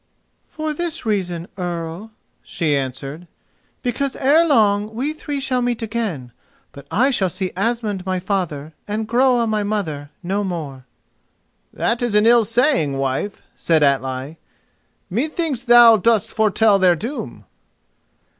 "For this reason, Earl," she answered, "because ere long we three shall meet again; but I shall see Asmund, my father, and Groa, my mother, no more." "That is an ill saying, wife," said Atli. "Methinks thou dost foretell their doom."